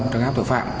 trấn áp tội phạm